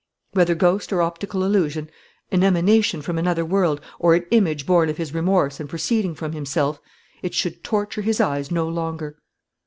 Whether ghost or optical illusion, an emanation from another world, or an image born of his remorse and proceeding from himself, it should torture his eyes no longer.